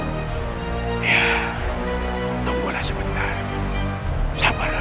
ya untuk pula sebetulnya sabarlah